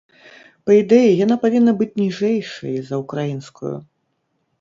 Па ідэі, яна павінна быць ніжэйшай за ўкраінскую.